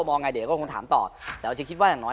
มองไงเดี๋ยวก็คงถามต่อแต่เราจะคิดว่าอย่างน้อย